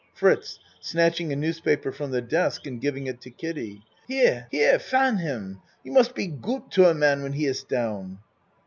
FRITZ (Snatching a newspaper from the desk and giving it to Kiddie.) Here here fan him! You must be goot to a man when he iss down.